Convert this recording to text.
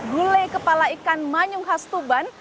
gulai kepala ikan manyung khas tuban